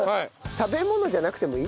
食べ物じゃなくてもいい？